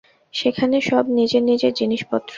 সেখানে সব নিজের নিজের জিনিসপত্র।